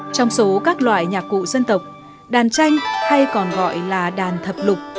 trong số các loại nhạc cụ dân tộc đàn tranh hay còn gọi là đàn thập lục